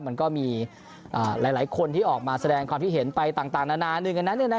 มันก็มีหลายคนที่ออกมาแสดงความคิดเห็นไปต่างนานาหนึ่งอันนั้น